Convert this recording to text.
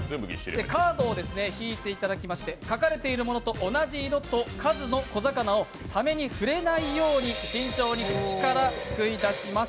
カードを引いていただきまして描かれているものと同じ色と数の小魚をサメに触れないように慎重に口から救い出します。